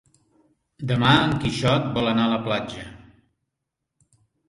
Demà en Quixot vol anar a la platja.